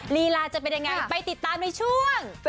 ลีลาจะเป็นยังไงไปติดตามในช่วง